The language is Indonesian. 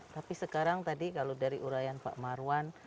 tapi sekarang tadi kalau dari urayan pak marwan